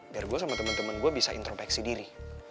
biar gue sama temen temen gue bisa introveksi diri